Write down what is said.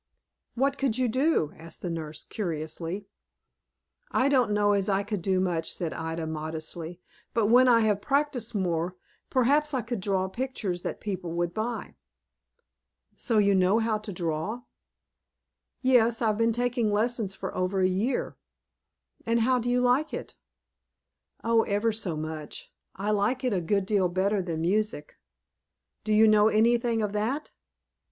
"What could you do?" asked the nurse, curiously. "I don't know as I could do much," said Ida, modestly; "but when I have practised more, perhaps I could draw pictures that people would buy." "So you know how to draw?" "Yes, I've been taking lessons for over a year." "And how do you like it?" "Oh, ever so much! I like it a good deal better than music." "Do you know anything of that?"